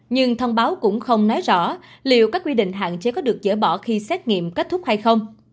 nhưng thông báo cũng không nói rõ liệu các quy định hạn chế có được dỡ bỏ khi xét nghiệm kết thúc hay không